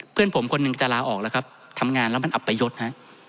เพื่อนผมคนหนึ่งจะลาออกแล้วครับทำงานแล้วมันอับประยศฮะ